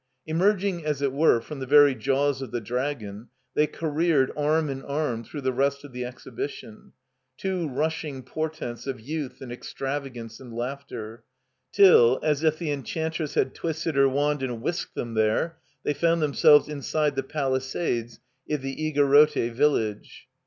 Emerging as it were from the very jaws of the Dragon, they careered arm in arm through the rest of the Exhibition, two rushing portents of youth and extravagance and laughter; till, as if the Enchantress had twisted her wand and whisked them there, they fotmd themselves inside the palisades of the Igorrote Village.